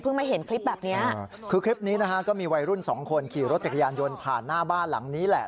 มาเห็นคลิปแบบเนี้ยคือคลิปนี้นะฮะก็มีวัยรุ่นสองคนขี่รถจักรยานยนต์ผ่านหน้าบ้านหลังนี้แหละ